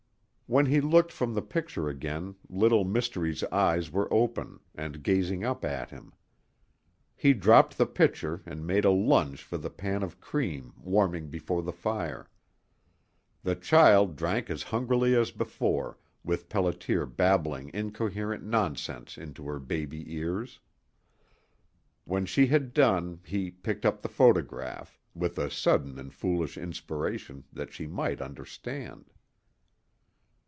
When he looked from the picture again Little Mystery's eyes were open and gazing up at him. He dropped the picture and made a lunge for the pan of cream warming before the fire. The child drank as hungrily as before, with Pelliter babbling incoherent nonsense into her baby ears. When she had done he picked up the photograph, with a sudden and foolish inspiration that she might understand.